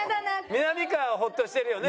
みなみかわはホッとしてるよね？